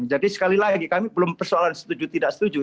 jadi sekali lagi kami belum persoalan setuju tidak setuju